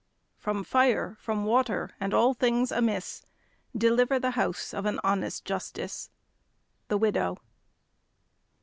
From fire, from water, and all things amiss, Deliver the house of an honest justice. THE WIDOW.